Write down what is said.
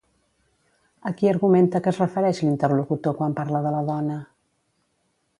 A qui argumenta que es refereix l'interlocutor quan parla de la dona?